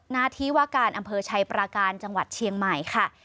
หน้าที่ว่าการอำเภอชัยปราการจังหวัดเชียงใหม่ค่ะ